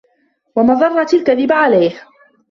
وَمَضَرَّةِ الْكَذِبِ عَلَيْهِ